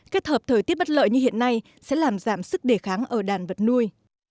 kết hợp thời tiết bất lợi như hiện nay sẽ làm giảm sức đề kháng ở đàn vật nuôi